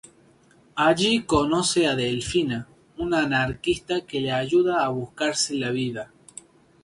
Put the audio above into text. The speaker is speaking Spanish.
Allí conoce a Delfina, una anarquista que le ayuda a buscarse la vida.